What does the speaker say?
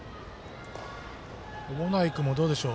小保内君もどうでしょう。